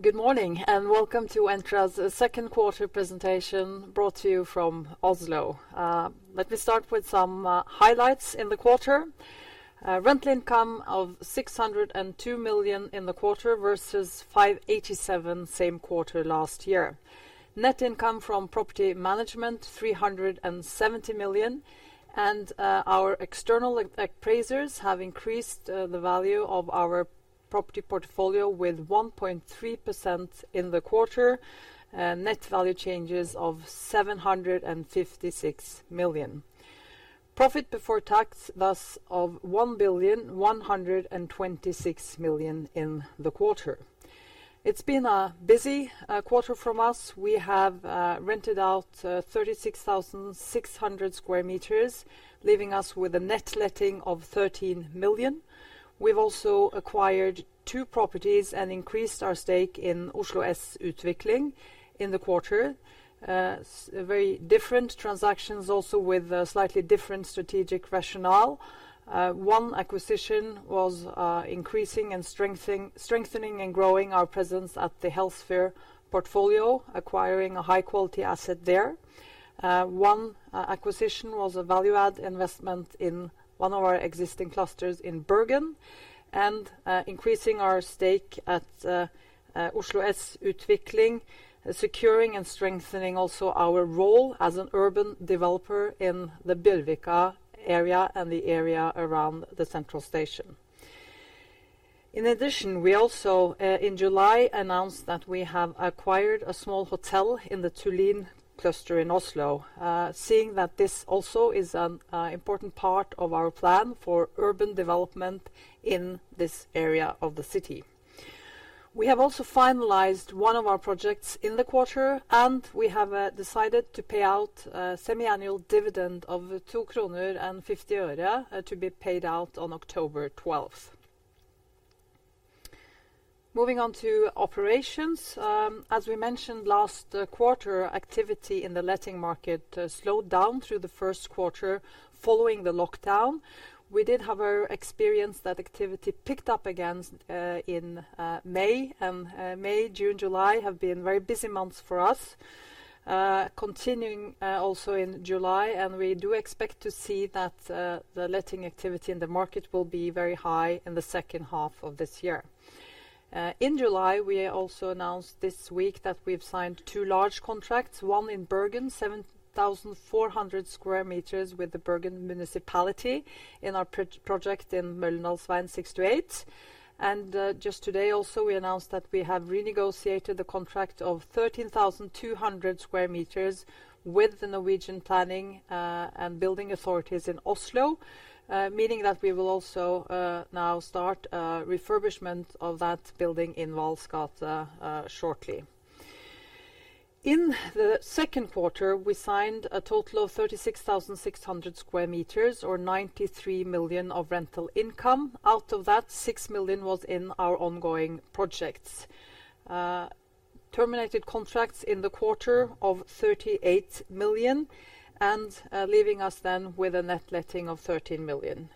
Good morning welcome to Entra's second quarter presentation brought to you from Oslo. Let me start with some highlights in the quarter. Rental income of 602 million in the quarter versus 587 million same quarter 2020. Net income from property management, 370 million, and our external appraisers have increased the value of our property portfolio with 1.3% in the quarter. Net value changes of 756 million. Profit before tax thus of 1.126 billion in the quarter. It's been a busy quarter for us. We have rented out 36,600 sq m, leaving us with a net letting of 13 million. We've also acquired two properties and increased our stake in Oslo S Utvikling in the quarter. Very different transactions also with a slightly different strategic rationale. One acquisition was increasing and strengthening and growing our presence at the health care portfolio, acquiring a high-quality asset there. One acquisition was a value-add investment in one of our existing clusters in Bergen and increasing our stake at Oslo S Utvikling, securing and strengthening also our role as an urban developer in the Bjørvika area and the area around the Central Station. In addition, we also, in July, announced that we have acquired a small hotel in the Tullin cluster in Oslo. Seeing that this also is an important part of our plan for urban development in this area of the city. We have also finalized one of our projects in the quarter, and we have decided to pay out a semi-annual dividend of 2.50 kroner, to be paid out on October 12th, 2021. Moving on to operations. As we mentioned last quarter, activity in the letting market slowed down through the first quarter following the lockdown. We did have experience that activity picked up again in May. May, June, July have been very busy months for us, continuing also in July. We do expect to see that the letting activity in the market will be very high in the second half of this year. In July, we also announced this week that we've signed two large contracts, one in Bergen, 7,400 sq m with the Bergen municipality in our project in Møllendalsveien 68. Just today also, we announced that we have renegotiated a contract of 13,200 sq m with the Norwegian planning and building authorities in Oslo, meaning that we will also now start refurbishment of that building in Vahls gate shortly. In the second quarter, we signed a total of 36,600 sq m or 93 million of rental income. Out of that, 6 million was in our ongoing projects. Terminated contracts in the quarter of 38 million, leaving us then with a net letting of 13 million.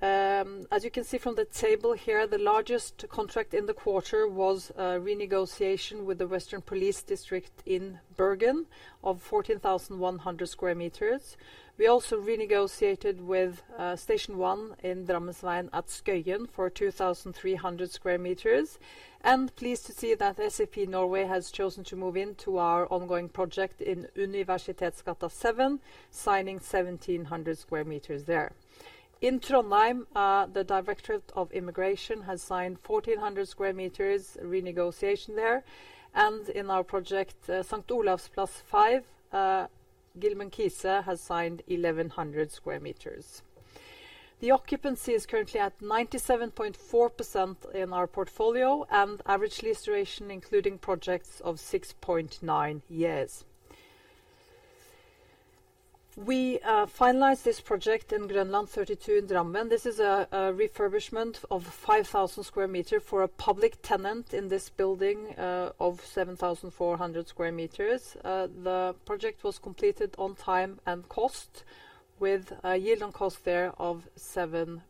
As you can see from the table here, the largest contract in the quarter was a renegotiation with the Western Police District in Bergen of 14,100 square meters. We also renegotiated with Station one in Drammensveien at Skøyen for 2,300 square meters, pleased to see that SAP Norway has chosen to move into our ongoing project in Universitetsgata 7, signing 1,700 square meters there. In Trondheim, the Directorate of Immigration has signed 1,400 square meters renegotiation there, in our project St. Olavs plass 5, Geelmuyden Kiese has signed 1,100 square meters. The occupancy is currently at 97.4% in our portfolio and average lease duration including projects of 6.9 years. We finalized this project in Grønland 32 in Drammen. This is a refurbishment of 5,000 sq m for a public tenant in this building of 7,400 sq m. The project was completed on time and cost with a yield-on-cost there of 7%.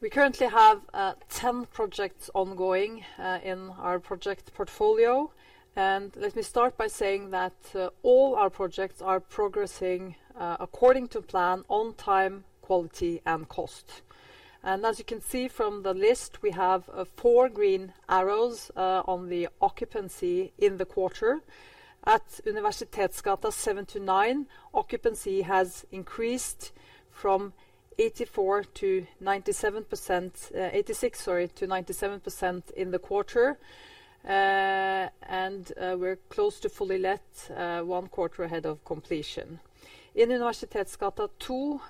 We currently have 10 projects ongoing in our project portfolio. Let me start by saying that all our projects are progressing according to plan on time, quality, and cost. As you can see from the list, we have four green arrows on the occupancy in the quarter. At Universitetsgata 7-9, occupancy has increased from 86% to 97% in the quarter. We're close to fully let one quarter ahead of completion. In Universitetsgata 2,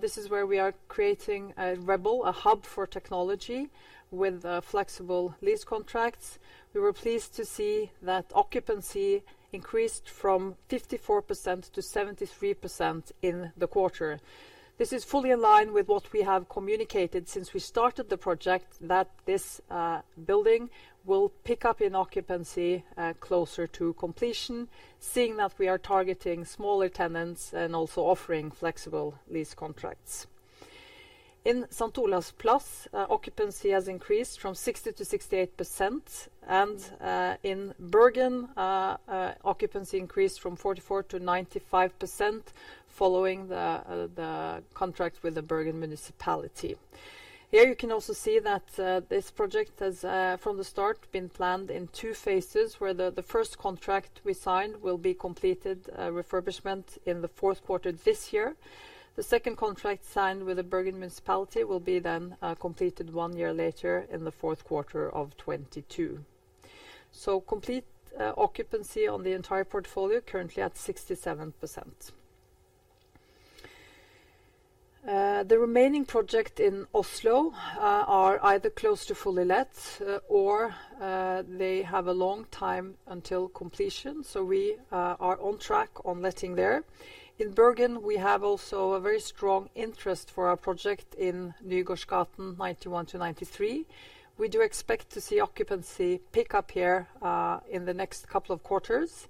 this is where we are creating a Rebel, a hub for technology with flexible lease contracts. We were pleased to see that occupancy increased from 54% to 73% in the quarter. This is fully in line with what we have communicated since we started the project that this building will pick up in occupancy closer to completion, seeing that we are targeting smaller tenants and also offering flexible lease contracts. In St. Olavs plass, occupancy has increased from 60%-68%, and in Bergen, occupancy increased from 44%-95% following the contract with the Bergen municipality. Here you can also see that this project has, from the start, been planned in two phases, where the first contract we signed will be completed refurbishment in the fourth quarter of this year. The second contract signed with the Bergen municipality will be then completed one year later in the fourth quarter of 2022. Complete occupancy on the entire portfolio currently at 67%. The remaining project in Oslo are either close to fully let or they have a long time until completion. We are on track on letting there. In Bergen, we have also a very strong interest for our project in Nygårdsgaten 91-93. We do expect to see occupancy pick up here in the next couple of quarters.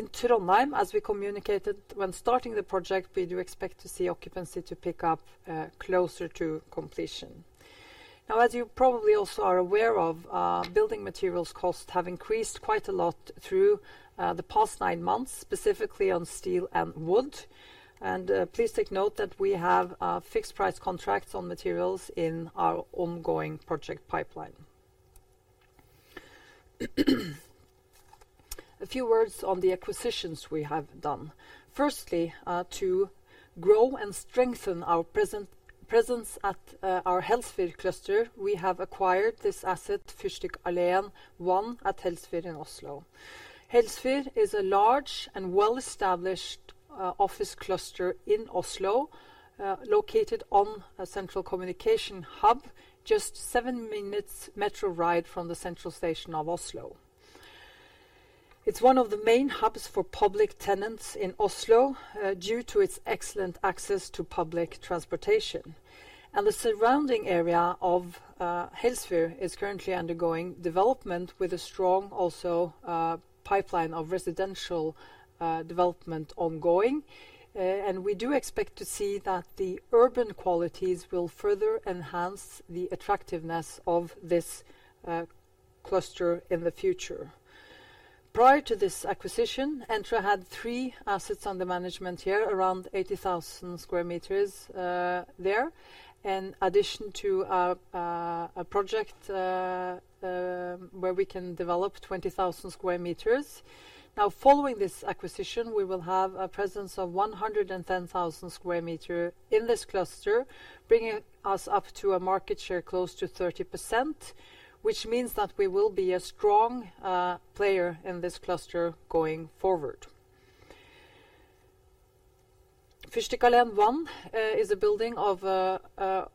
In Trondheim, as we communicated when starting the project, we do expect to see occupancy to pick up closer to completion. As you probably also are aware of, building materials costs have increased quite a lot through the past nine months, specifically on steel and wood. Please take note that we have fixed-price contracts on materials in our ongoing project pipeline. A few words on the acquisitions we have done. Firstly, to grow and strengthen our presence at our Helsfyr cluster, we have acquired this asset, Fyrstikkalléen 1 at Helsfyr in Oslo. Helsfyr is a large and well-established office cluster in Oslo, located on a central communication hub just seven minutes metro ride from the Central Station of Oslo. It's one of the main hubs for public tenants in Oslo due to its excellent access to public transportation. The surrounding area of Helsfyr is currently undergoing development with a strong also pipeline of residential development ongoing. We do expect to see that the urban qualities will further enhance the attractiveness of this cluster in the future. Prior to this acquisition, Entra had three assets under management here, around 80,000 sq m there, in addition to a project where we can develop 20,000 sq m. Following this acquisition, we will have a presence of 110,000 sq m in this cluster, bringing us up to a market share close to 30%, which means that we will be a strong player in this cluster going forward. Fyrstikkalléen 1 is a building of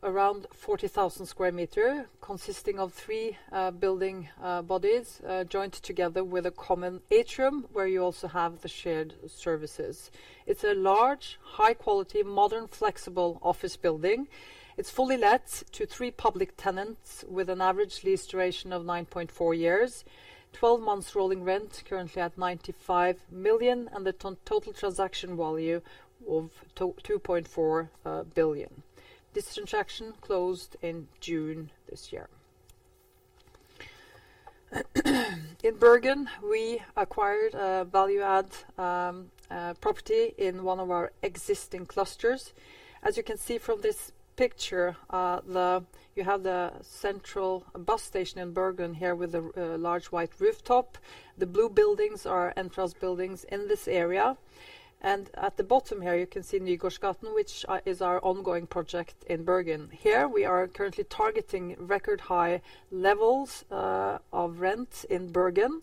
around 40,000 sq m, consisting of three building bodies joined together with a common atrium where you also have the shared services. It's a large, high-quality, modern, flexible office building. It's fully let to three public tenants with an average lease duration of 9.4 years, 12 months rolling rent currently at 95 million, and the total transaction value of 2.4 billion. This transaction closed in June this year. In Bergen, we acquired a value-add property in one of our existing clusters. As you can see from this picture, you have the central bus station in Bergen here with a large white rooftop. The blue buildings are Entra's buildings in this area. At the bottom here you can see Nygårdsgaten, which is our ongoing project in Bergen. Here we are currently targeting record high levels of rent in Bergen,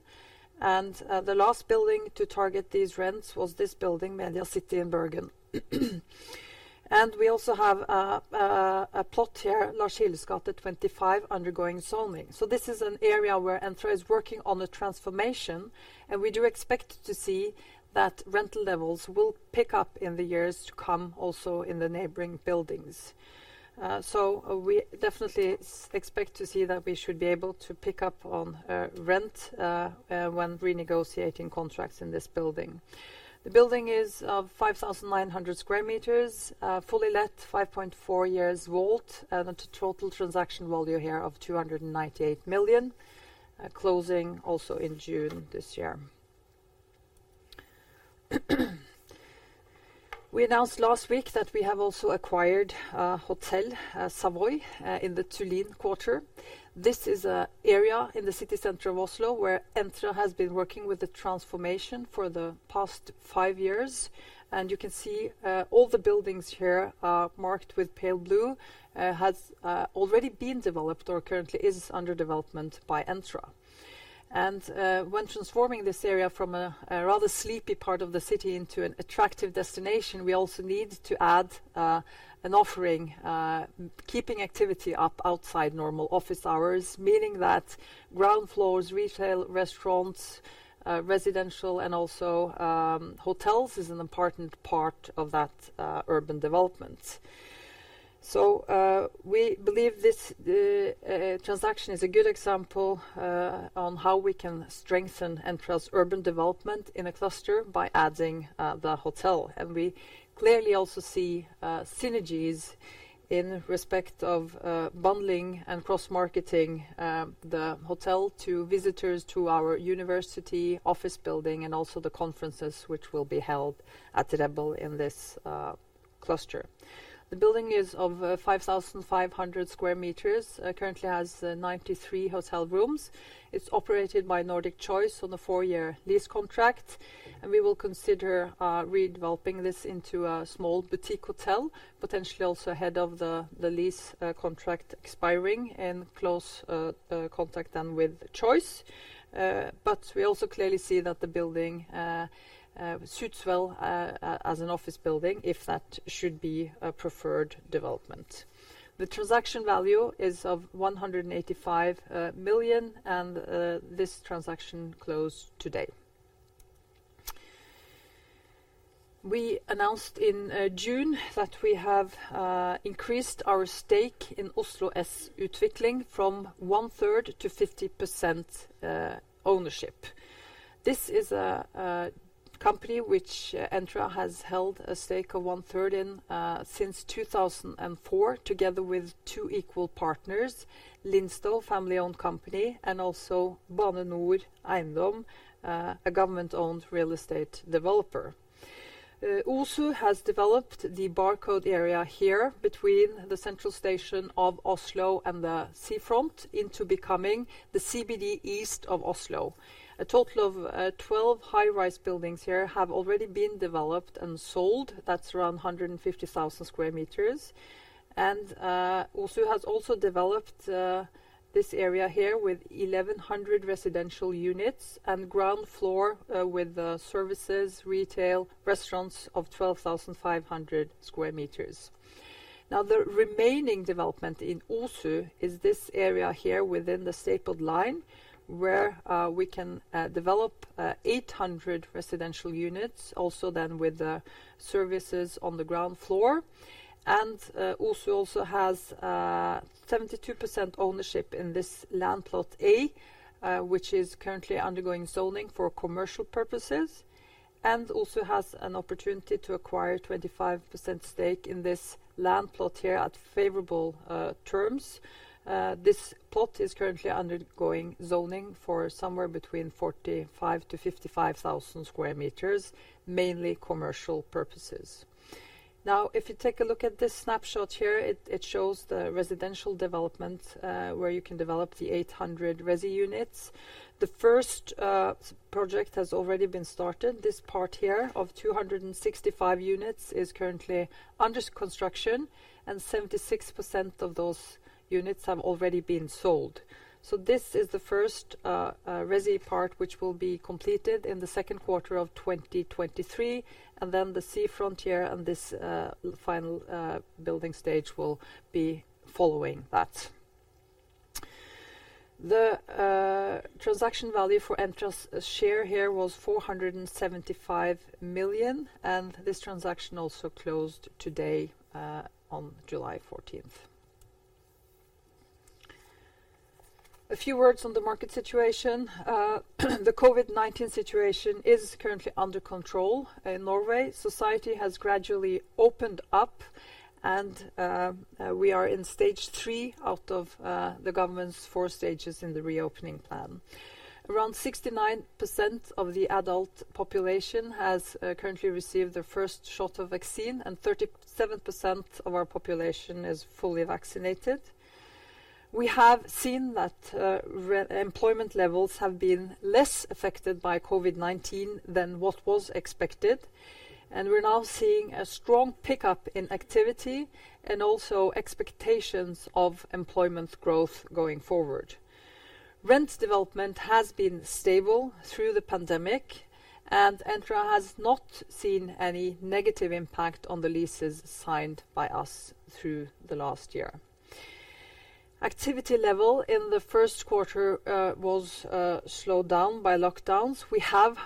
and the last building to target these rents was this building, Media City in Bergen. We also have a plot here, Lars Hilles Gate 25, undergoing zoning. This is an area where Entra is working on the transformation, and we do expect to see that rental levels will pick up in the years to come also in the neighboring buildings. We definitely expect to see that we should be able to pick up on rent when renegotiating contracts in this building. The building is 5,900 sq m, fully let, 5.4 years WALT, and a total transaction value here of 298 million, closing also in June this year. We announced last week that we have also acquired Hotel Savoy in the Tullin Quarter. This is an area in the city center of Oslo where Entra has been working with the transformation for the past five years. You can see all the buildings here marked with pale blue have already been developed or currently is under development by Entra. When transforming this area from a rather sleepy part of the city into an attractive destination, we also need to add an offering, keeping activity up outside normal office hours. Meaning that ground floors, retail, restaurants, residential, and also hotels is an important part of that urban development. We believe this transaction is a good example on how we can strengthen Entra's urban development in a cluster by adding the hotel. We clearly also see synergies in respect of bundling and cross-marketing the hotel to visitors to our university office building, and also the conferences which will be held at Rebel in this cluster. The building is of 5,500 sq m, currently has 93 hotel rooms. It's operated by Nordic Choice on a four-year lease contract, and we will consider redeveloping this into a small boutique hotel, potentially also ahead of the lease contract expiring in close contact then with Choice. We also clearly see that the building suits well as an office building if that should be a preferred development. The transaction value is of 185 million, and this transaction closed today. We announced in June that we have increased our stake in Oslo S Utvikling from 1/3 to 50% ownership. This is a company which Entra has held a stake of 1/3 in since 2004, together with two equal partners, Linstow family-owned company, and also Bane NOR Eiendom, a government-owned real estate developer. OSU has developed the Barcode area here between the Central Station of Oslo and the seafront into becoming the CBD east of Oslo. A total of 12 high-rise buildings here have already been developed and sold. That's around 150,000 sq m. OSU has also developed this area here with 1,100 residential units and ground floor with services, retail, restaurants of 12,500 sq m. Now, the remaining development in OSU is this area here within the stapled line, where we can develop 800 residential units also then with the services on the ground floor. OSU also has 72% ownership in this land plot A, which is currently undergoing zoning for commercial purposes and also has an opportunity to acquire 25% stake in this land plot here at favorable terms. This plot is currently undergoing zoning for somewhere between 45,000 sq m-55,000 sq m, mainly commercial purposes. If you take a look at this snapshot here, it shows the residential development, where you can develop the 800 resi units. The first project has already been started. This part here of 265 units is currently under construction, and 76% of those units have already been sold. This is the first resi part which will be completed in the second quarter of 2023, and then the sea front here and this final building stage will be following that. The transaction value for Entra's share here was 475 million. This transaction also closed today, on July 14th. A few words on the market situation. The COVID-19 situation is currently under control in Norway. Society has gradually opened up. We are in stage three out of the government's four stages in the reopening plan. Around 69% of the adult population has currently received the first shot of vaccine. 37% of our population is fully vaccinated. We have seen that employment levels have been less affected by COVID-19 than what was expected. We're now seeing a strong pickup in activity and also expectations of employment growth going forward. Rent development has been stable through the pandemic. Entra has not seen any negative impact on the leases signed by us through the 2020. Activity level in the first quarter was slowed down by lockdowns. We have,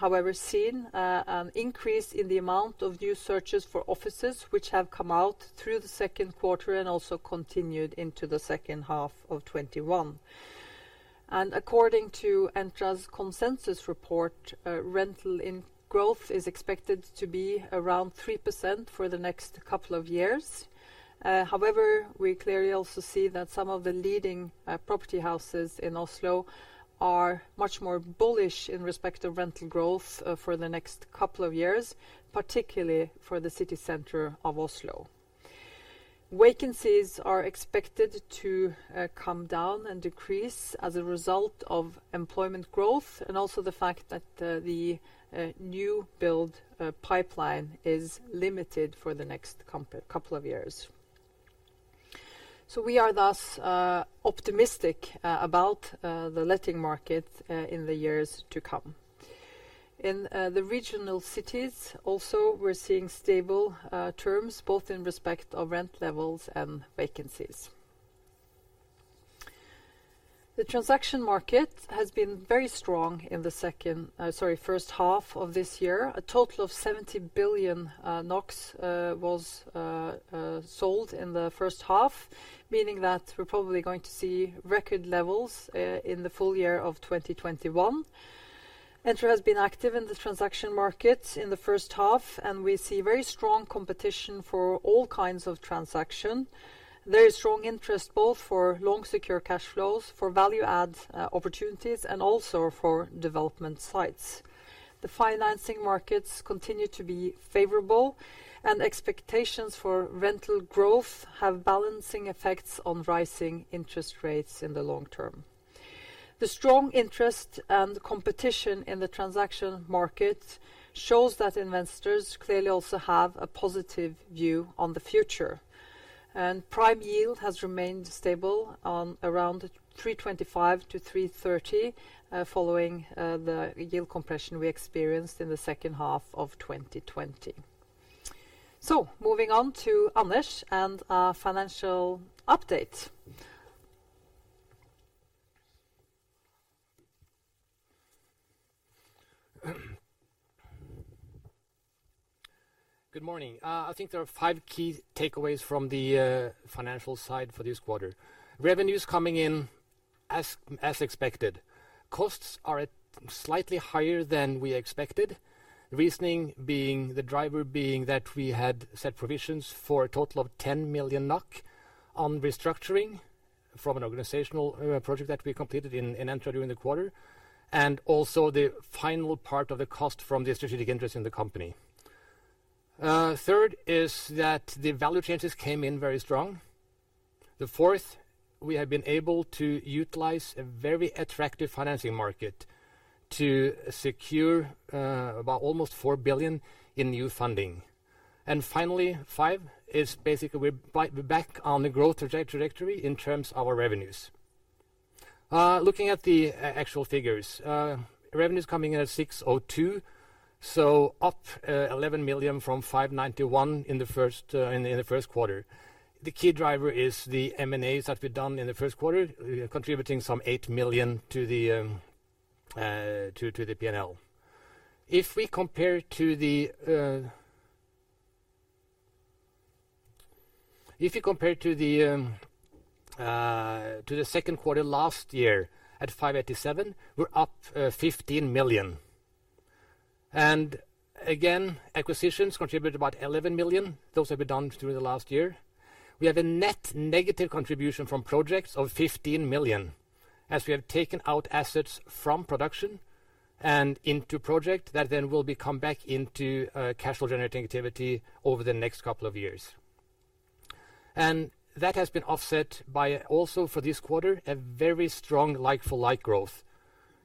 however, seen an increase in the amount of new searches for offices which have come out through the second quarter and also continued into the second half of 2021. According to Entra's consensus report, rental growth is expected to be around 3% for the next couple of years. However, we clearly also see that some of the leading property houses in Oslo are much more bullish in respect of rental growth for the next couple of years, particularly for the city center of Oslo. Vacancies are expected to come down and decrease as a result of employment growth, and also the fact that the new build pipeline is limited for the next couple of years. We are thus optimistic about the letting market in the years to come. In the regional cities also, we're seeing stable terms both in respect of rent levels and vacancies. The transaction market has been very strong in the first half of this year. A total of 70 billion NOK was sold in the first half, meaning that we're probably going to see record levels in the full year of 2021. Entra has been active in the transaction market in the first half. We see very strong competition for all kinds of transaction. Very strong interest both for long secure cash flows, for value add opportunities, and also for development sites. The financing markets continue to be favorable. Expectations for rental growth have balancing effects on rising interest rates in the long term. The strong interest and competition in the transaction market shows that investors clearly also have a positive view on the future. Prime yield has remained stable on around 325-330 following the yield compression we experienced in the second half of 2020. Moving on to Anders and our financial update. Good morning. I think there are five key takeaways from the financial side for this quarter. Revenues coming in as expected. Costs are slightly higher than we expected. Reasoning being, the driver being that we had set provisions for a total of 10 million NOK on restructuring from an organizational project that we completed in Entra during the quarter, and also the final part of the cost from the strategic interest in the company. Third is that the value changes came in very strong. The fourth, we have been able to utilize a very attractive financing market to secure about almost 4 billion in new funding. Finally, five is basically we're back on the growth trajectory in terms of our revenues. Looking at the actual figures. Revenues coming in at 602, so up 11 million from 591 in the first quarter. The key driver is the M&As that we've done in the first quarter, contributing some 8 million to the P&L. If you compare to the second quarter 2020 at 587 million, we're up 15 million. Again, acquisitions contribute about 11 million. Those have been done through the 2020. We have a net negative contribution from projects of 15 million, as we have taken out assets from production and into project that then will be come back into cash flow generating activity over the next couple of years. That has been offset by also for this quarter, a very strong like-for-like growth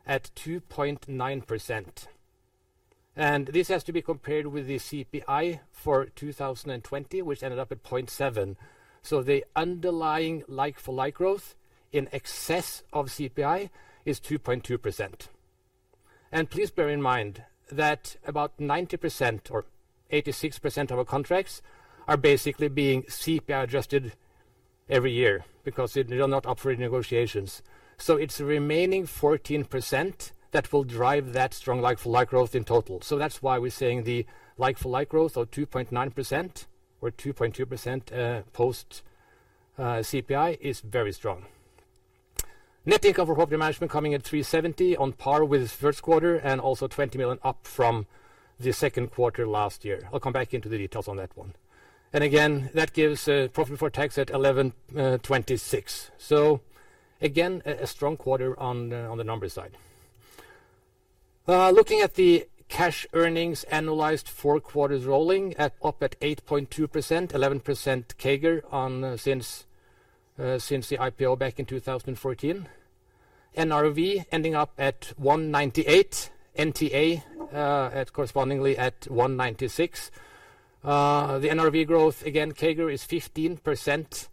at 2.9%. This has to be compared with the CPI for 2020, which ended up at 0.7%. The underlying like-for-like growth in excess of CPI is 2.2%. Please bear in mind that about 90% or 86% of our contracts are basically being CPI-adjusted every year because they are not up for any negotiations. It's the remaining 14% that will drive that strong like-for-like growth in total. That's why we're saying the like-for-like growth of 2.9% or 2.2% post CPI is very strong. Net income from property management coming in at 370 million, on par with the first quarter and also 20 million up from the second quarter 2020. I'll come back into the details on that one. Again, that gives profit for tax at 1,126 million. Again, a strong quarter on the numbers side. Looking at the Cash Earnings analyzed four quarters rolling up at 8.2%, 11% CAGR since the IPO back in 2014. NRV ending up at 198. NTA at correspondingly at 196. The NRV growth, again, CAGR is 15%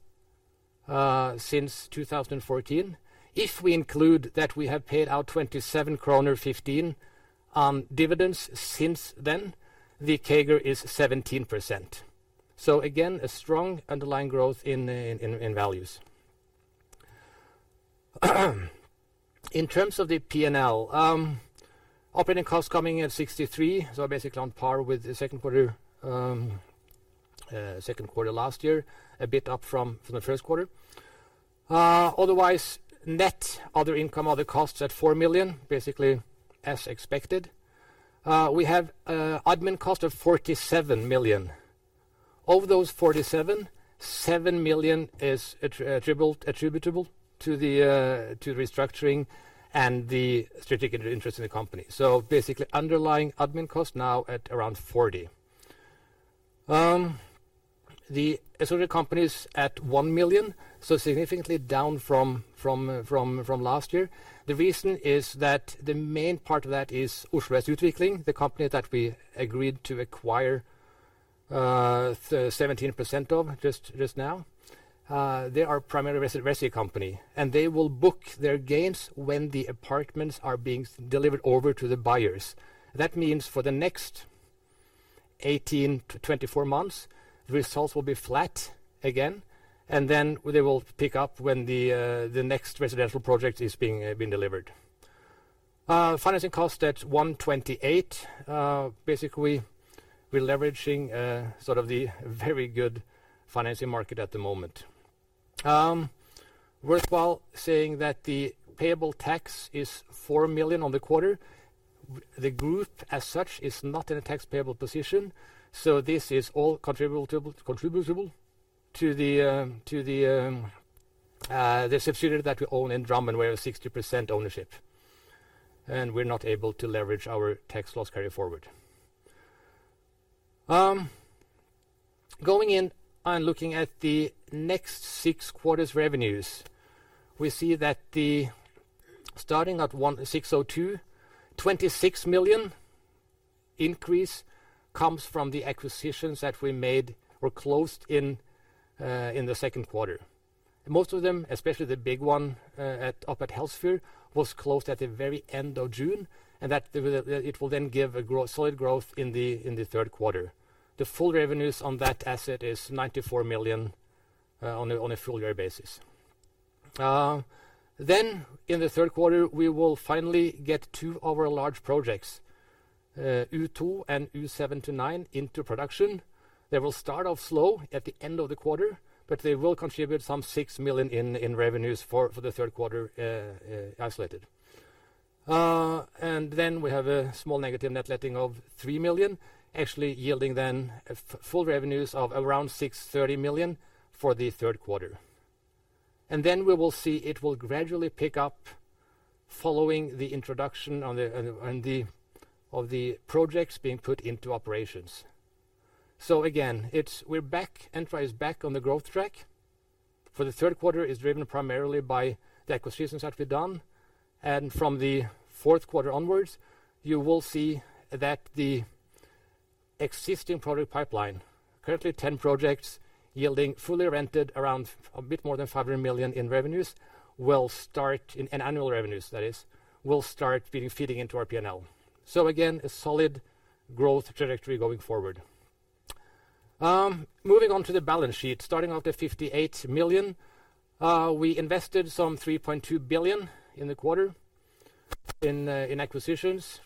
since 2014. If we include that we have paid out 27.15 kroner on dividends since then, the CAGR is 17%. Again, a strong underlying growth in values. In terms of the P&L. Operating costs coming in at 63 million, basically on par with the second quarter 2020, a bit up from the first quarter. Otherwise, net other income, other costs at 4 million, basically as expected. We have admin cost of 47 million. Of those 47 million, 7 million is attributable to the restructuring and the strategic interest in the company. Basically underlying admin cost now at around 40 million. The associated companies at 1 million, significantly down from 2020. The reason is that the main part of that is Oslo S Utvikling, the company that we agreed to acquire 17% of just now. They are primarily a residency company, and they will book their gains when the apartments are being delivered over to the buyers. That means for the next 18-24 months, results will be flat again, and then they will pick up when the next residential project is being delivered. Financing cost at 128. Basically, we're leveraging the very good financing market at the moment. Worthwhile saying that the payable tax is 4 million on the quarter. The group as such is not in a tax payable position, so this is all attributable to the subsidiary that we own in Drammen, where a 60% ownership, and we're not able to leverage our tax loss carry forward. Going in and looking at the next six quarters revenues, we see that starting at 1,602, 26 million increase comes from the acquisitions that we made or closed in the second quarter. Most of them, especially the big one up at Helsfyr, was closed at the very end of June, and that it will then give a solid growth in the third quarter. The full revenues on that asset is 94 million on a full year basis. In the third quarter, we will finally get two of our large projects, U2 and U7-9 into production. They will start off slow at the end of the quarter, but they will contribute some 6 million in revenues for the third quarter isolated. We have a small negative net letting of 3 million, actually yielding then full revenues of around 630 million for the third quarter. We will see it will gradually pick up following the introduction of the projects being put into operations. Again, Entra is back on the growth track for the 3rd quarter is driven primarily by the acquisitions that we've done. From the 4th quarter onwards, you will see that the existing product pipeline, currently 10 projects yielding fully rented around a bit more than 500 million in revenues, in annual revenues that is, will start being feeding into our P&L. Again, a solid growth trajectory going forward. Moving on to the balance sheet, starting at 58 million. We invested some 3.2 billion in the quarter in acquisitions.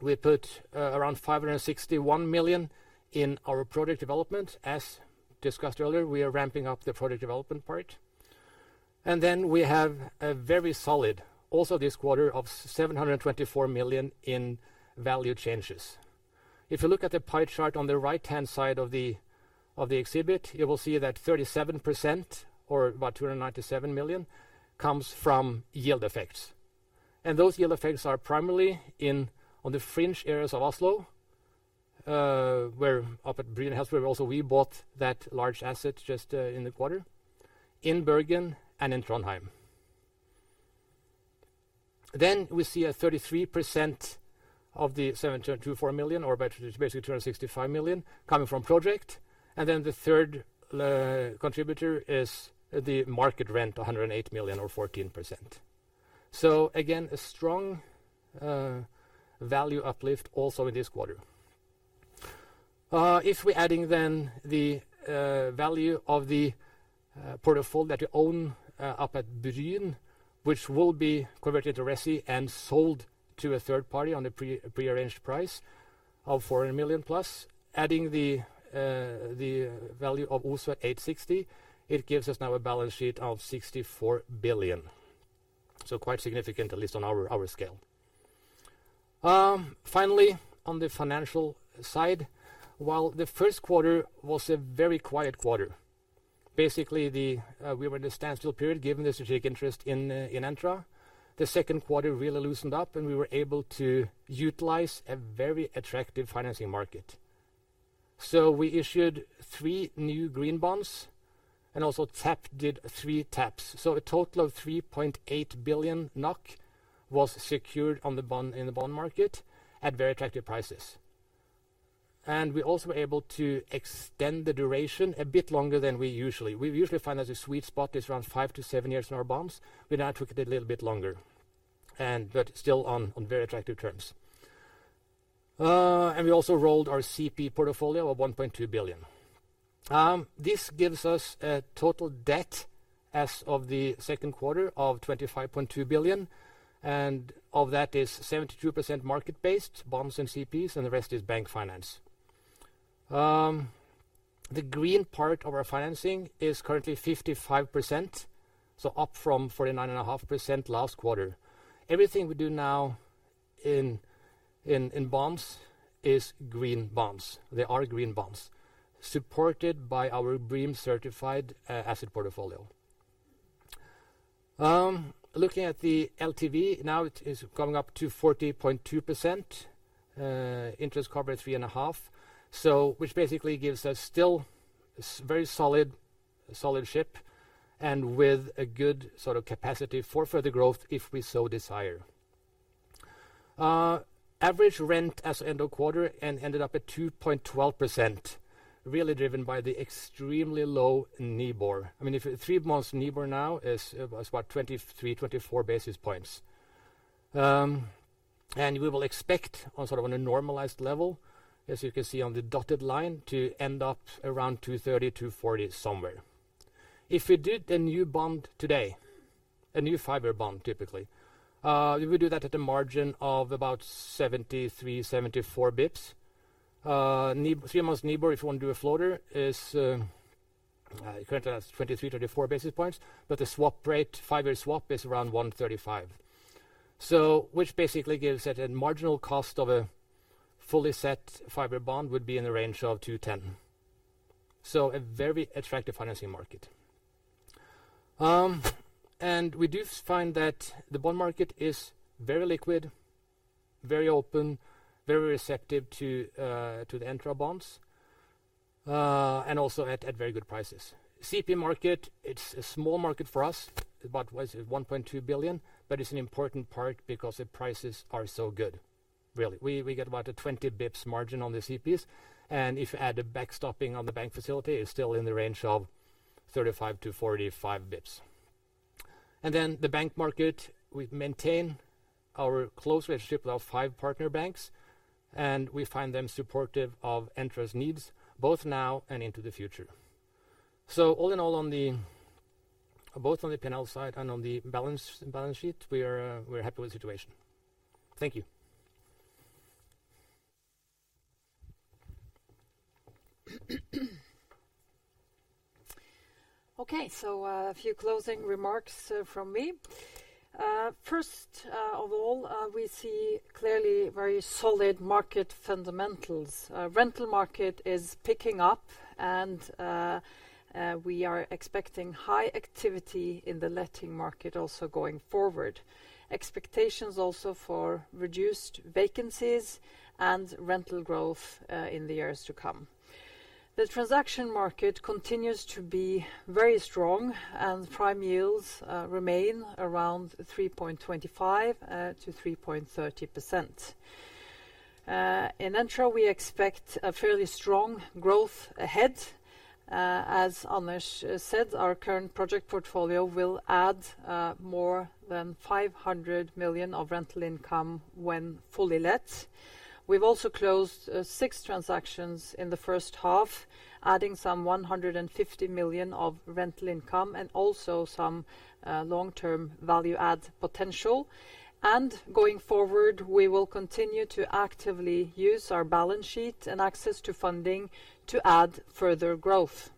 We put around 561 million in our project development. As discussed earlier, we are ramping up the project development part. Then we have a very solid also this quarter of 724 million in value changes. If you look at the pie chart on the right-hand side of the exhibit, you will see that 37% or about 297 million comes from yield effects. Those yield effects are primarily on the fringe areas of Oslo where up at Helsfyr also we bought that large asset just in the quarter, in Bergen and in Trondheim. We see a 33% of the 724 million, or basically 265 million coming from project. The third contributor is the market rent, 108 million or 14%. Again, a strong value uplift also this quarter. If we're adding then the value of the portfolio that we own up at Bryn, which will be converted to resi and sold to a third party on a prearranged price of 400 million plus, adding the value of OSU 860, it gives us now a balance sheet of 64 billion. Quite significant, at least on our scale. On the financial side, while the first quarter was a very quiet quarter, basically we were in a standstill period given the strategic interest in Entra. The second quarter really loosened up and we were able to utilize a very attractive financing market. We issued three new green bonds and also tapped, did three taps. A total of 3.8 billion NOK was secured in the bond market at very attractive prices. We also were able to extend the duration a bit longer than we usually. We usually find that the sweet spot is around five to seven years in our bonds. We now took it a little bit longer, but still on very attractive terms. We also rolled our CP portfolio of 1.2 billion. This gives us a total debt as of the second quarter of 25.2 billion. Of that is 72% market-based, bonds and CPs. The rest is bank finance. The green part of our financing is currently 55%. Up from 39.5% last quarter. Everything we do now in bonds is green bonds. They are green bonds supported by our BREEAM-certified asset portfolio. Looking at the LTV, now it is going up to 40.2%, interest coverage three and a half. Which basically gives us still very solid shape and with a good capacity for further growth if we so desire. Average rent as end of quarter ended up at 2.12%, really driven by the extremely low NIBOR. I mean, if the three months NIBOR now is what, 23, 24 basis points. We will expect on a normalized level, as you can see on the dotted line, to end up around 230, 240 somewhere. If we did a new bond today, a new five-year bond, typically. We would do that at a margin of about 73, 74 basis points. 3-month NIBOR, if you want to do a floater, is currently at 23, 24 basis points, but the swap rate, five-year swap, is around 135. Which basically gives it a marginal cost of a fully set five-year bond would be in the range of 210. A very attractive financing market. We do find that the bond market is very liquid, very open, very receptive to the Entra bonds, and also at very good prices. CP market, it's a small market for us, about 1.2 billion, but it's an important part because the prices are so good. Really. We get about a 20 bps margin on the CPs, and if you add a backstopping on the bank facility, it's still in the range of 35 to 45 bps. The bank market, we've maintained our close relationship with our five partner banks, and we find them supportive of Entra's needs both now and into the future. All in all, both on the P&L side and on the balance sheet, we are happy with the situation. Thank you. Okay, a few closing remarks from me. First of all, we see clearly very solid market fundamentals. Rental market is picking up and we are expecting high activity in the letting market also going forward. Expectations also for reduced vacancies and rental growth in the years to come. The transaction market continues to be very strong and prime yields remain around 3.25%-3.30%. In Entra, we expect a fairly strong growth ahead. As Anders said, our current project portfolio will add more than 500 million of rental income when fully let. We've also closed 6 transactions in the first half, adding some 150 million of rental income and also some long-term value-add potential. Going forward, we will continue to actively use our balance sheet and access to funding to add further growth.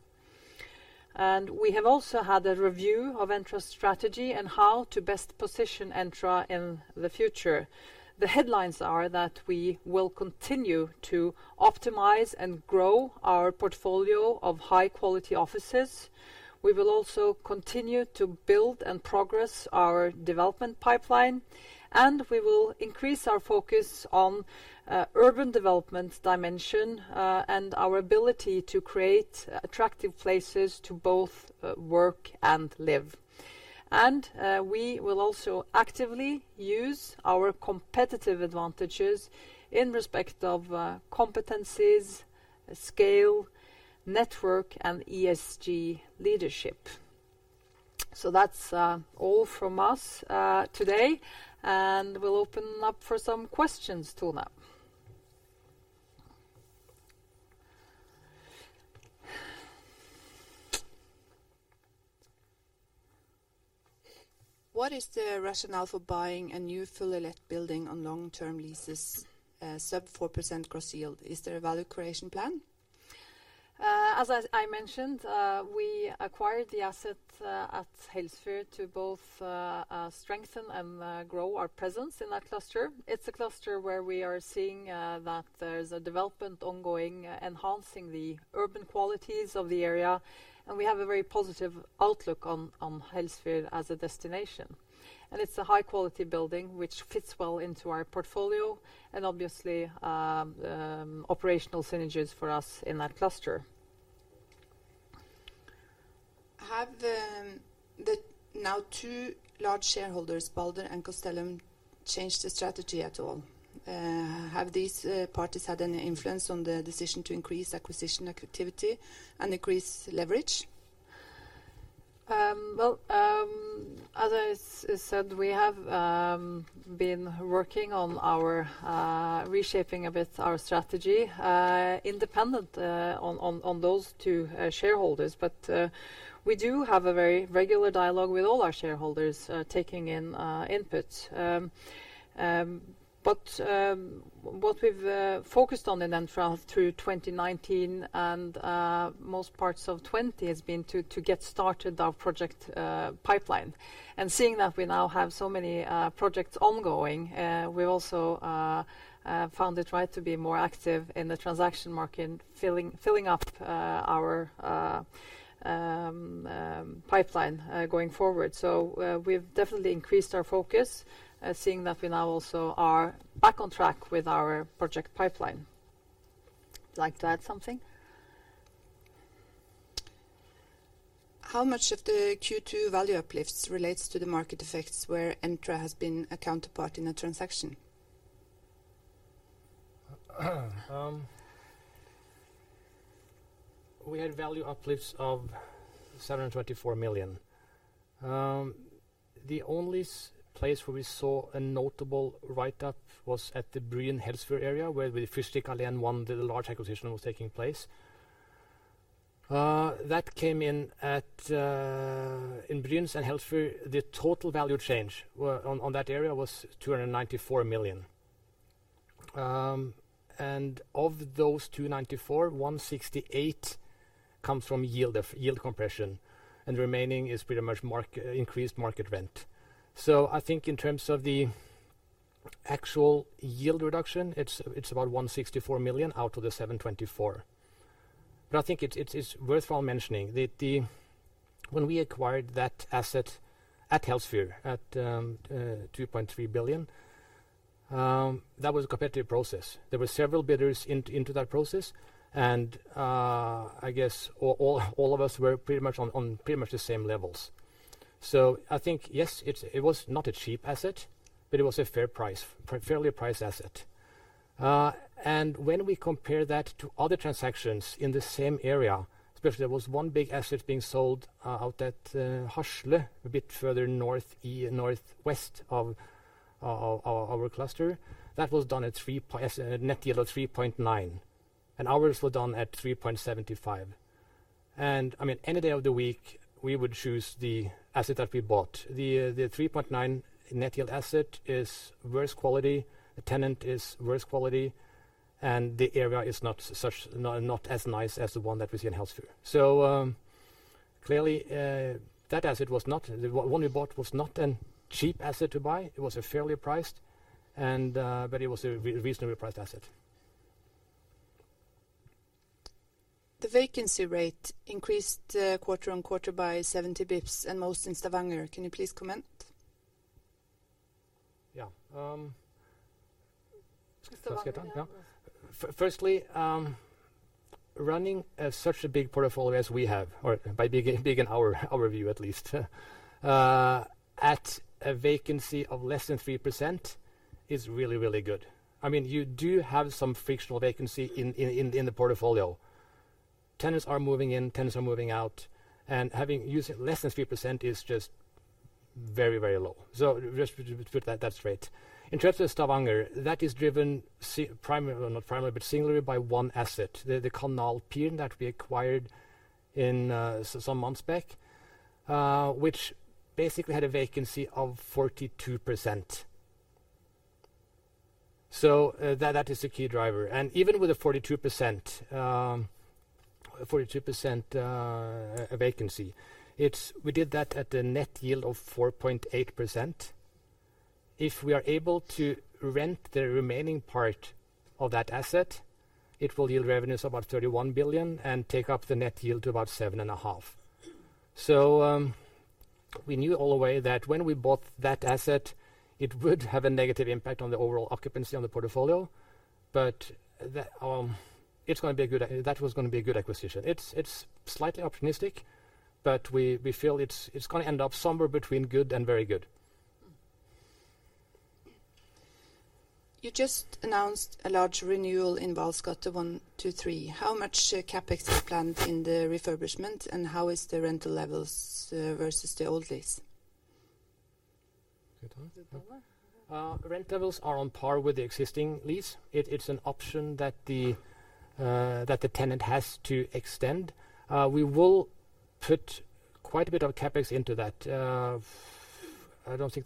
We have also had a review of Entra's strategy and how to best position Entra in the future. The headlines are that we will continue to optimize and grow our portfolio of high-quality offices. We will also continue to build and progress our development pipeline, and we will increase our focus on urban development dimension and our ability to create attractive places to both work and live. We will also actively use our competitive advantages in respect of competencies, scale, network, and ESG leadership. That's all from us today, and we'll open up for some questions, Tone. What is the rationale for buying a new full let building on long-term leases, sub 4% gross yield? Is there a value creation plan? As I mentioned, we acquired the asset at Helsfyr to both strengthen and grow our presence in that cluster. It's a cluster where we are seeing that there's a development ongoing, enhancing the urban qualities of the area. We have a very positive outlook on Helsfyr as a destination. It's a high-quality building which fits well into our portfolio and obviously, operational synergies for us in that cluster. Have the now 2 large shareholders, Balder and Castellum, changed the strategy at all? Have these parties had any influence on the decision to increase acquisition activity and increase leverage? Well, as I said, we have been working on reshaping a bit our strategy independent on those 2 shareholders. We do have a very regular dialogue with all our shareholders, taking in input. What we've focused on in Entra through 2019 and most parts of 2020 has been to get started our project pipeline. Seeing that we now have so many projects ongoing, we also found it right to be more active in the transaction market, filling up our pipeline going forward. We've definitely increased our focus, seeing that we now also are back on track with our project pipeline. Would you like to add something? How much of the Q2 value uplifts relates to the market effects where Entra has been a counterparty in a transaction? We had value uplifts of 724 million. The only place where we saw a notable write-up was at the Bryn/Helsfyr area, where with Fyrstikkalléen 1, the large acquisition was taking place. That came in Bryn and Helsfyr, the total value change on that area was 294 million. Of those 294, 168 comes from yield compression, and remaining is pretty much increased market rent. I think in terms of the actual yield reduction, it's about 164 million out of the 724. I think it's worthwhile mentioning that when we acquired that asset at Helsfyr at 2.3 billion, that was a competitive process. There were several bidders into that process, and I guess all of us were pretty much on the same levels. I think, yes, it was not a cheap asset, but it was a fairly priced asset. When we compare that to other transactions in the same area, especially there was one big asset being sold out at Hasle, a bit further northwest of our cluster. That was done at net yield of 3.9, and ours were done at 3.75. Any day of the week, we would choose the asset that we bought. The 3.9 net yield asset is worse quality, the tenant is worse quality, and the area is not as nice as the one that was in Helsfyr. Clearly, the one we bought was not a cheap asset to buy. It was fairly priced, but it was a reasonably priced asset. The vacancy rate increased quarter-over-quarter by 70 basis points and most in Stavanger. Can you please comment? Yeah. Stavanger. Running such a big portfolio as we have, or by big in our view at least, at a vacancy of less than 3% is really good. You do have some frictional vacancy in the portfolio. Tenants are moving in, tenants are moving out, having less than 3% is just very low. Just to put that straight. In terms of Stavanger, that is driven singularly by one asset, the Kanalpiren that we acquired some months back, which basically had a vacancy of 42%. That is the key driver. Even with a 42% vacancy, we did that at a net yield of 4.8%. If we are able to rent the remaining part of that asset, it will yield revenues of about 31 billion and take up the net yield to about 7.5%. We knew all the way that when we bought that asset, it would have a negative impact on the overall occupancy on the portfolio, but that was going to be a good acquisition. It's slightly optimistic, but we feel it's going to end up somewhere between good and very good. You just announced a large renewal in Vahls gate 1-3. How much CapEx are planned in the refurbishment, and how is the rental levels versus the old lease? Good one. Good one. Rent levels are on par with the existing lease. It is an option that the tenant has to extend. We will put quite a bit of CapEx into that. It's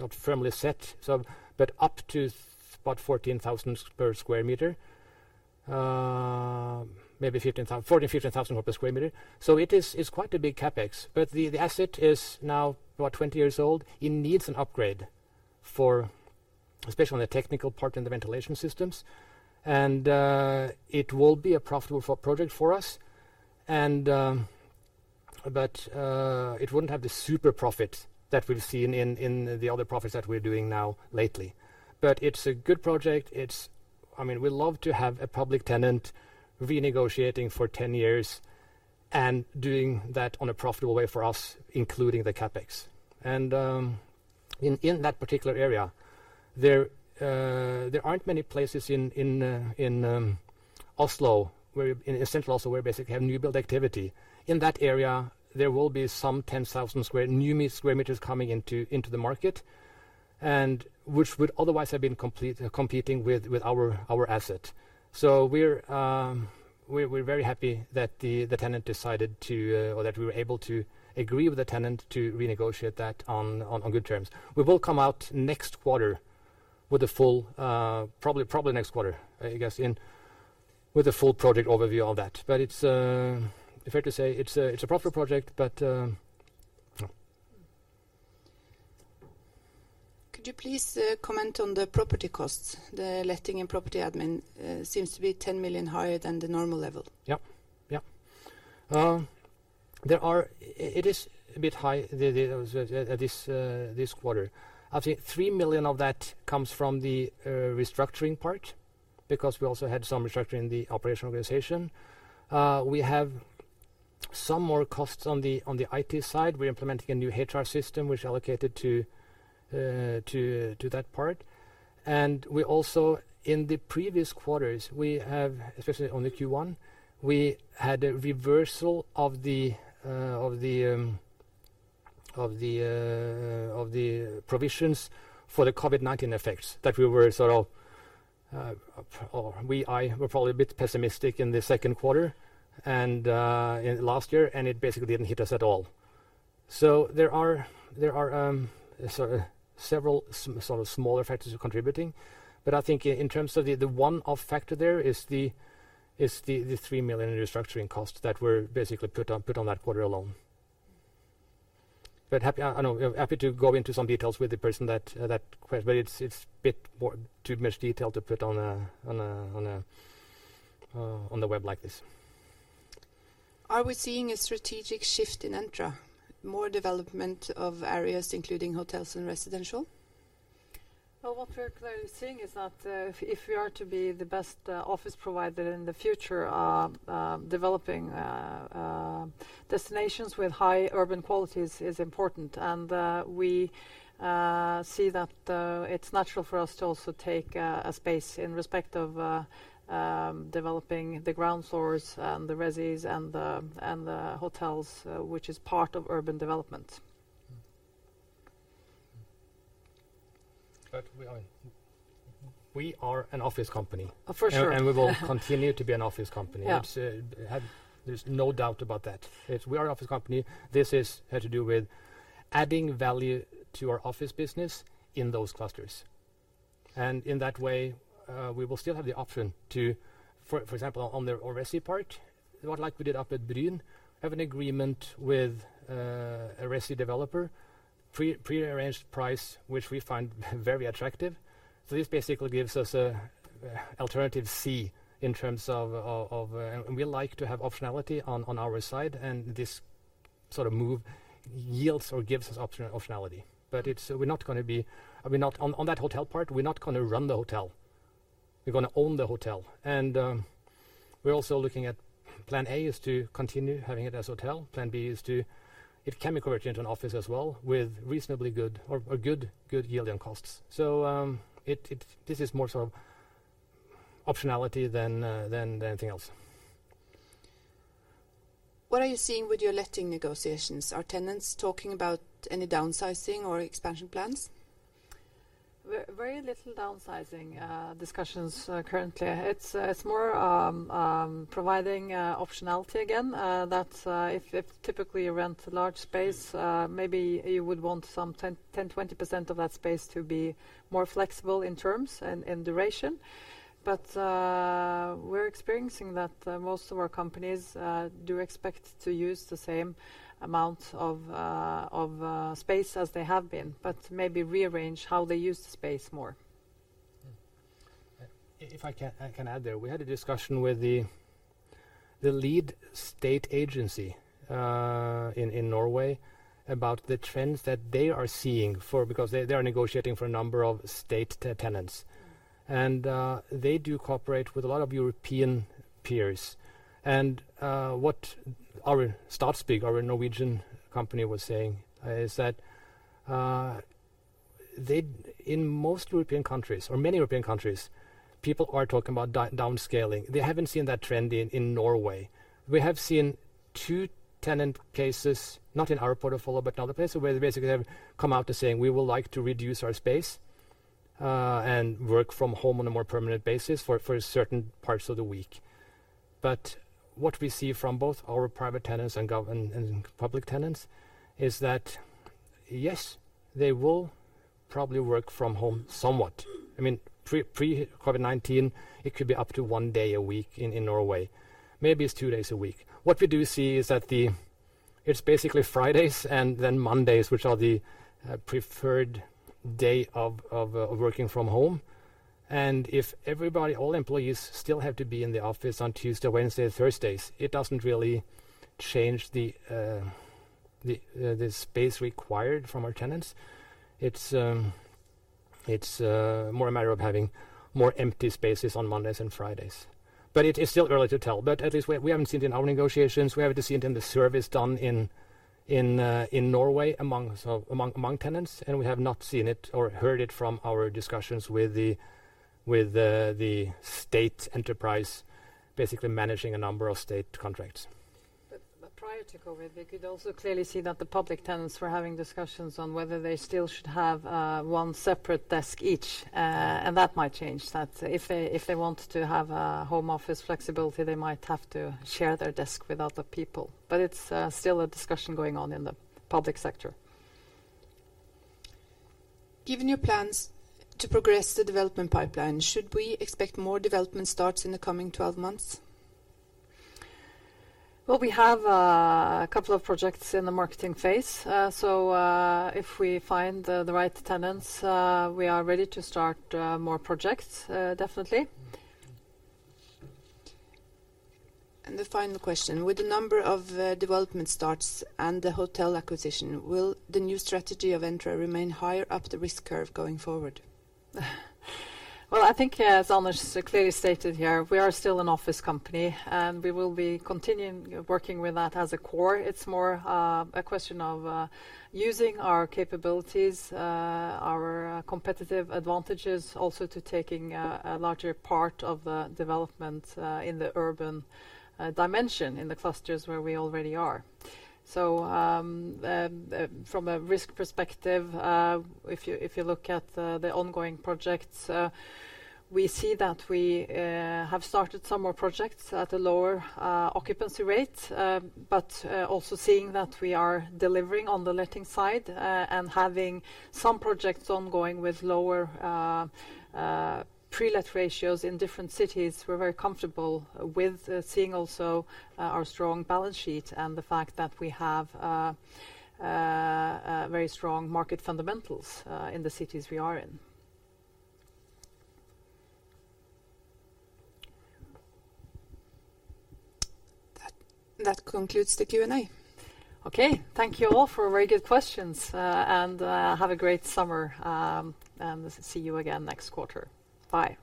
not firmly set, but up to about 14,000 per square meter. Maybe 14,000, 15,000 per square meter. It is quite a big CapEx, but the asset is now about 20 years old. It needs an upgrade, especially on the technical part in the ventilation systems. It will be a profitable project for us. It wouldn't have the super profit that we've seen in the other projects that we're doing now lately. It's a good project. We love to have a public tenant renegotiating for 10 years and doing that on a profitable way for us, including the CapEx. In that particular area, there aren't many places in Central Oslo where basically have new build activity. In that area, there will be some 10,000 new sq m coming into the market, which would otherwise have been competing with our asset. We're very happy that we were able to agree with the tenant to renegotiate that on good terms. We will come out next quarter, probably next quarter, I guess, with a full project overview of that. It's fair to say it's a profitable project. Could you please comment on the property costs? The letting and property admin seems to be 10 million higher than the normal level. Yep. It is a bit high this quarter. I think 3 million of that comes from the restructuring part because we also had some restructuring in the operational organization. Some more costs on the IT side. We are implementing a new HR system, which allocated to that part. We also, in the previous quarters, especially on the Q1, we had a reversal of the provisions for the COVID-19 effects that we were a bit pessimistic in the second quarter and 2020, it basically didn't hit us at all. There are several smaller factors contributing. I think in terms of the one-off factor there is the 3 million restructuring costs that were basically put on that quarter alone. I'm happy to go into some details with the person that questioned, it's a bit too much detail to put on the web like this. Are we seeing a strategic shift in Entra? More development of areas including hotels and residential? What we are seeing is that if we are to be the best office provider in the future, developing destinations with high urban qualities is important. We see that it's natural for us to also take a space in respect of developing the ground source and the residences, and the hotels, which is part of urban development. We are an office company. For sure. We will continue to be an office company. Yeah. There's no doubt about that. We are an office company. This had to do with adding value to our office business in those clusters. In that way, we will still have the option to, for example, on the resi part, like we did up at Bryn, have an agreement with a resi developer, prearranged price, which we find very attractive. This basically gives us an alternative C. We like to have optionality on our side, and this sort of move yields or gives us optionality. On that hotel part, we're not going to run the hotel. We're going to own the hotel. We're also looking at plan A is to continue having it as a hotel. Plan B, it can be converted into an office as well, with reasonably good or a good yield on costs. This is more so optionality than anything else. What are you seeing with your letting negotiations? Are tenants talking about any downsizing or expansion plans? Very little downsizing discussions currently. It's more providing optionality again. If typically you rent a large space, maybe you would want some 10, 20% of that space to be more flexible in terms, in duration. We're experiencing that most of our companies do expect to use the same amount of space as they have been, but maybe rearrange how they use space more. If I can add there. We had a discussion with the lead state agency in Norway about the trends that they are seeing because they are negotiating for a number of state tenants. They do cooperate with a lot of European peers. What our Statsbygg, our Norwegian company was saying is that in most European countries or many European countries, people are talking about downscaling. They haven't seen that trend in Norway. We have seen two tenant cases, not in our portfolio, but in other places, where they basically have come out to saying, "We would like to reduce our space, and work from home on a more permanent basis for certain parts of the week." What we see from both our private tenants and public tenants is that, yes, they will probably work from home somewhat. Pre-COVID-19, it could be up to one day a week in Norway. Maybe it's 2 days a week. What we do see is that it's basically Fridays and then Mondays, which are the preferred day of working from home. If all employees still have to be in the office on Tuesday, Wednesday, and Thursdays, it doesn't really change the space required from our tenants. It's more a matter of having more empty spaces on Mondays and Fridays. It is still early to tell. At least we haven't seen it in our negotiations. We haven't seen it in the surveys done in Norway among tenants. We have not seen it or heard it from our discussions with the state enterprise basically managing a number of state contracts. Prior to COVID, we could also clearly see that the public tenants were having discussions on whether they still should have one separate desk each, and that might change. If they wanted to have a home office flexibility, they might have to share their desk with other people. It's still a discussion going on in the public sector. Given your plans to progress the development pipeline, should we expect more development starts in the coming 12 months? We have 2 projects in the marketing phase. If we find the right tenants, we are ready to start more projects, definitely. The final question. With the number of development starts and the hotel acquisition, will the new strategy of Entra remain higher up the risk curve going forward? Well, I think as Anders clearly stated here, we are still an office company, and we will be continuing working with that as a core. It's more a question of using our capabilities, our competitive advantages also to taking a larger part of the development in the urban dimension in the clusters where we already are. From a risk perspective, if you look at the ongoing projects, we see that we have started some more projects at a lower occupancy rate. Also seeing that we are delivering on the letting side and having some projects ongoing with lower pre-let ratios in different cities. We're very comfortable with seeing also our strong balance sheet and the fact that we have very strong market fundamentals in the cities we are in. That concludes the Q&A. Okay. Thank you all for very good questions, have a great summer. See you again next quarter. Bye.